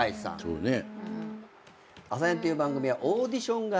そうね。